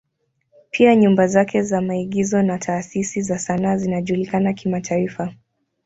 Pia nyumba zake za maigizo na taasisi za sanaa zinajulikana kimataifa.